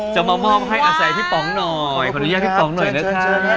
จะมามอบให้อาศัยพี่ป๋องหน่อยขออนุญาตพี่ป๋องหน่อยนะคะ